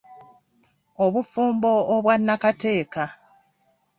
Obufumbo obwa nnakateeka.